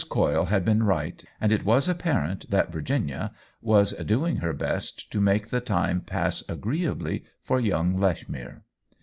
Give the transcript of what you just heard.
Coyle had been right, and it was ap parent that Virginia was doing her best to make the time pass agreeably for young Lechmere.